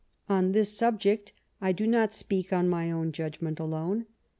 On this subject I do not speak on my own judgment alone.